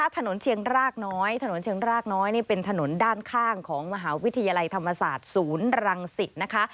ถนนเชียงรากน้อยถนนเชียงรากน้อยนี่เป็นถนนด้านข้างของมหาวิทยาลัยธรรมศาสตร์ศูนย์รังสิตนะคะ